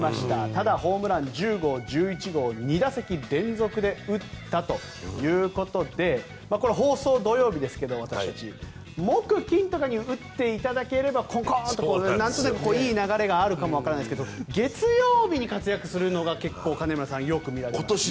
ただ、ホームラン１０号、１１号２打席連続で打ったということでこれは放送、土曜日ですが私たち木金とかに打っていただければなんとなくいい流れがあるかもわからないですが月曜日に活躍するのが結構金村さんよく見られますね。